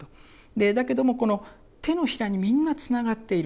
だけどもこの手のひらにみんなつながっている。